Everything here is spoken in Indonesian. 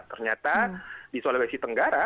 ternyata di sulawesi tenggara